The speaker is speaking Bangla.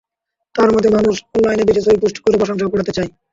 তাঁর মতে, মানুষ অনলাইনে বেশি ছবি পোস্ট করে প্রশংসা কুড়াতে চায়।